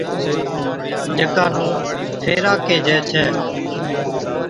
جڪا نُون ڦيرا ڪيهجَي ڇَي